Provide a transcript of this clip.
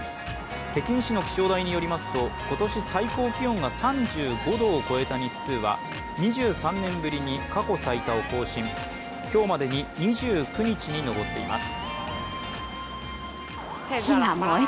北京市の気象台によりますと今年最高気温が３５度を超えた日数は２３年ぶりに過去最多を更新、今日までに２９日に上っています。